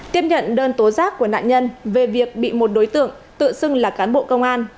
tiếp nhận đơn tố giác của nạn nhân về việc bị một đối tượng tự xưng là cán bộ công an